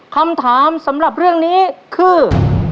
คำถามสำหรับเรื่องนี้คือ